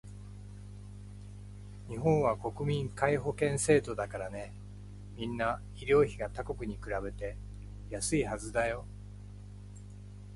日本は国民皆保険制度だからね、みんな医療費が他国に比べて安いはずだよ